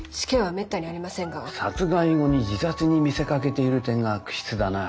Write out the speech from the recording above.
殺害後に自殺に見せかけている点が悪質だなあ。